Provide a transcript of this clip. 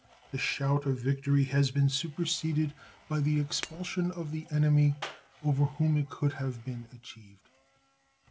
The shout of victory has been superseded by the expulsion of the enemy over whom it could have been achieved.